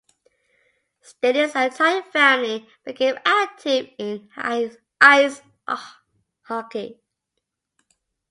Stanley's entire family became active in ice hockey.